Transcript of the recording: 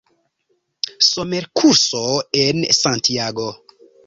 Somerkurso en Santiago.